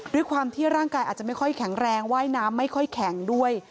ด้วยความที่ร่างกายอาจจะไม่ค่อยแข็งแรงว่ายน้ำไม่ค่อยแข็งด้วย